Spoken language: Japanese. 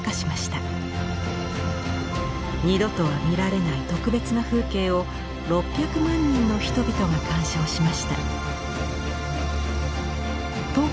二度とは見られない特別な風景を６００万人の人々が鑑賞しました。